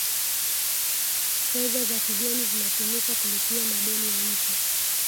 fedha za kigeni zinatumika kulipia madeni ya nje